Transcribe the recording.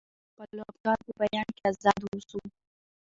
د خپلو افکارو په بیان کې ازاد واوسو.